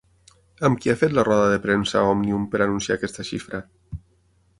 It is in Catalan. Amb qui ha fet la roda de premsa Òmnium per anunciar aquesta xifra?